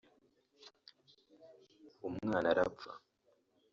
umwana arapfa